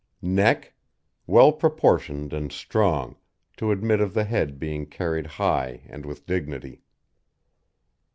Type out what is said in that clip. NECK Well proportioned and strong, to admit of the head being carried high and with dignity.